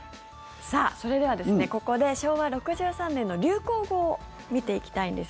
それではここで昭和６３年の流行語を見ていきたいんです。